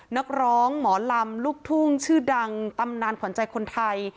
นักร้องหมอลำลูกทุ่งชื่อดังตำนานขวัญใจคนไทย